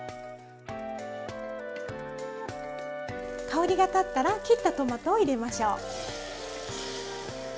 香りが立ったら切ったトマトを入れましょう。